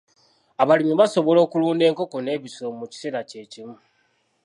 Abalimi basobola okulunda enkoko n'ebisolo mu kiseera kye kimu.